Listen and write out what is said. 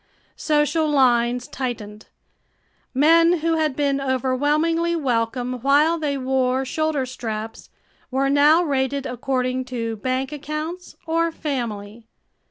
Social lines tightened. Men who had been overwhelmingly welcome while they wore shoulder straps were now rated according to bank accounts or "family."